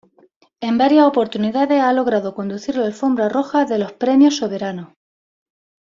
En varias oportunidades ha logrado conducir la alfombra roja de los Premios Soberano.